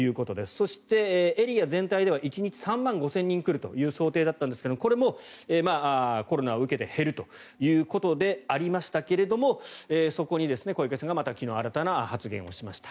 そして、エリア全体では１日３万５０００人来るという想定だったんですがこれもコロナを受けて減るということでありましたけれどもそこに小池さんが昨日また新たな発言をしました。